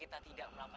aku masih ingatkan rama